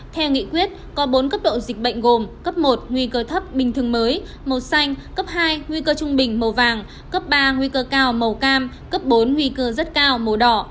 theo nghị quyết có bốn cấp độ dịch bệnh gồm cấp một nguy cơ thấp bình thường mới màu xanh cấp hai nguy cơ trung bình màu vàng cấp ba nguy cơ cao màu cam cấp bốn nguy cơ rất cao màu đỏ